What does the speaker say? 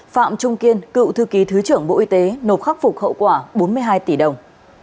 phạm trung kiên cựu thư ký thứ trưởng bộ y tế nộp khắc phục hậu quả bốn mươi hai tỷ đồng